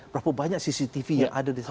berapa banyak cctv yang ada di sana